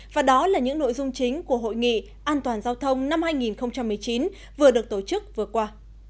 và đó là những nội dung chính của hội nghị an toàn giao thông năm hai nghìn một mươi chín vừa được tổ chức vừa qua